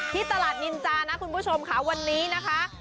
ที่ตลาดนินจานะคุณผู้ชมค่ะวันนี้นะคะ